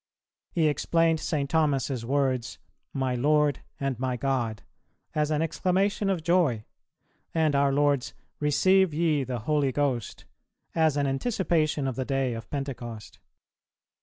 [288:1] He explained St. Thomas's words, "My Lord and my God," as an exclamation of joy, and our Lord's "Receive ye the Holy Ghost," as an anticipation of the day of Pentecost.